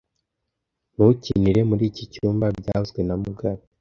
Ntukinire muri iki cyumba byavuzwe na mugabe